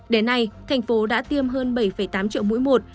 đến nay thành phố đã tiêm hơn bảy tám triệu mũi một